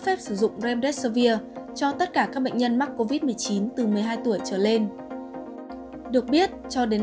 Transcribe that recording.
phép sử dụng remdeservir cho tất cả các bệnh nhân mắc covid một mươi chín từ một mươi hai tuổi trở lên được biết cho đến